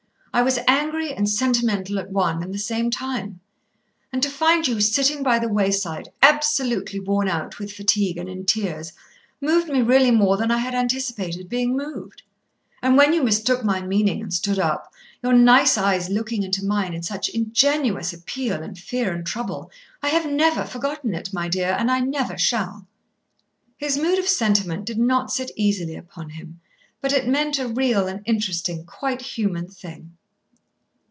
I was angry and sentimental at one and the same time. And to find you sitting by the wayside, absolutely worn out with fatigue and in tears, moved me really more than I had anticipated being moved. And when you mistook my meaning and stood up, your nice eyes looking into mine in such ingenuous appeal and fear and trouble, I have never forgotten it, my dear, and I never shall." His mood of sentiment did not sit easily upon him, but it meant a real and interesting quite human thing.